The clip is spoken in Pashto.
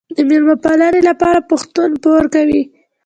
د میلمه پالنې لپاره پښتون پور کوي.